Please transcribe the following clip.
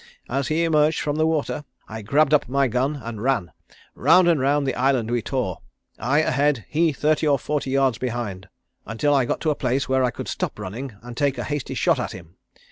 As he emerged from the water I grabbed up my gun and ran. Round and round the island we tore, I ahead, he thirty or forty yards behind, until I got to a place where I could stop running and take a hasty shot at him.